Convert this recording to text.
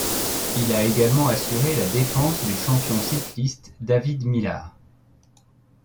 Il a également assuré la défense du champion cycliste David Millar.